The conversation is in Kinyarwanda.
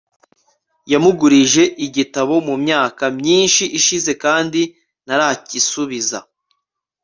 yamugurije igitabo mu myaka myinshi ishize kandi ntaracyisubiza